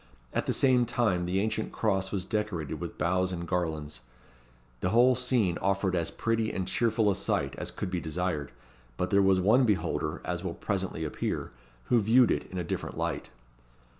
At the same time, the ancient Cross was decorated with boughs and garlands. The whole scene offered as pretty and cheerful a sight as could be desired; but there was one beholder, as will presently appear, who viewed it in a different light.